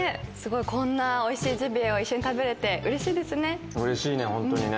こんなおいしいジビエを一緒に食べれてうれしいですね。